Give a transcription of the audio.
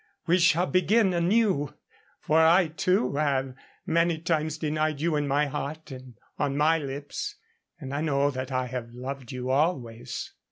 "We shall begin anew. For I, too, have many times denied you in my heart and on my lips. And I know that I have loved you always."